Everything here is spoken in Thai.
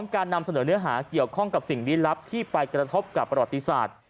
การนำเสนอเนื้อหาเกี่ยวข้องกับสิ่งลี้ลับที่ไปกระทบกับประวัติศาสตร์